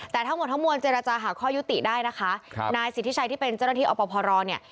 แต่ทั้งหมดทั้งมวลเจรจาหาข้อยุติได้นะคะครับนายสิทธิชัยที่เป็นเจ้าหน้าที่อพรเนี่ย